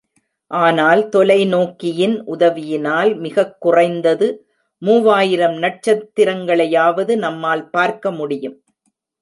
ஆனால், தொலை நோக்கியின் உதவியினால், மிகக் குறைந்தது மூவாயிரம் நட்சத்திரங்களையாவது நம்மால் பார்க்க முடியும்.